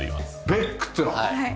ベックっていうの。